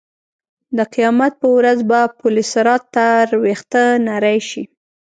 د قیامت په ورځ به پل صراط تر وېښته نرۍ شي.